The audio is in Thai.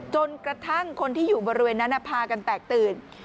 จนกระทั่งคนที่อยู่บริเวณนั้นพากันแตกตื่น